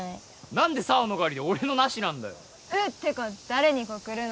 何で紗羽のがありで俺のなしなんだよてか誰に告るの？